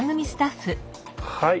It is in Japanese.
はい。